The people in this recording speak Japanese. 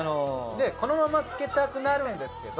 でこのまま漬けたくなるんですけど。